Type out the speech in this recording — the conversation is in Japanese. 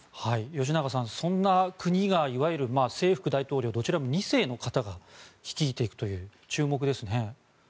吉永さん、そんな国がいわゆる正副大統領どちらも２世の方が率いていくという注目ですね。